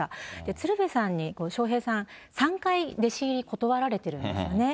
鶴瓶さんに笑瓶さん、３回弟子入り断られているんですよね。